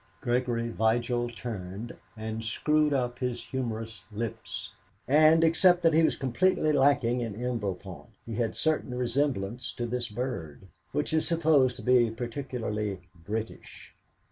Gregory Vigil turned, and screwed up his humorous lips, and, except that he was completely lacking in embonpoint, he had a certain resemblance to this bird, which is supposed to be peculiarly British.